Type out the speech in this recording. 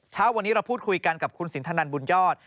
เช้าวันนี้เราพูดคุยกันกับคุณสินทนันบุญยอด